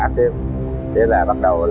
thế là bắt đầu